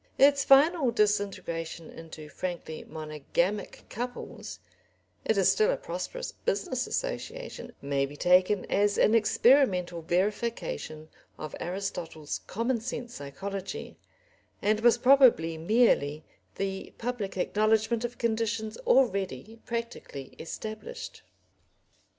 Its final disintegration into frankly monogamic couples it is still a prosperous business association may be taken as an experimental verification of Aristotle's common sense psychology, and was probably merely the public acknowledgment of conditions already practically established.